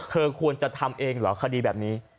เธอควรจะทำเองเหรอคดีแบบนี้